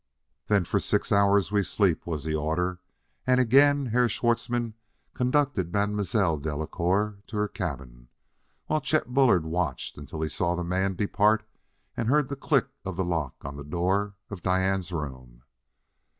"Then for six hours we sleep," was the order. And again Herr Schwartzmann conducted Mademoiselle Delacouer to her cabin, while Chet Bullard watched until he saw the man depart and heard the click of the lock on the door of Diane's room.